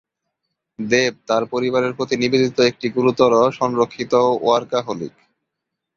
দেব তার পরিবারের প্রতি নিবেদিত একটি গুরুতর, সংরক্ষিত ওয়ার্কাহোলিক।